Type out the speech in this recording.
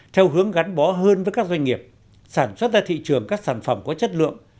theo hướng gắn bó hơn với các doanh nghiệp sản xuất ra thị trường các sản phẩm có chất lượng